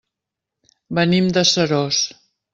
Venim de Seròs.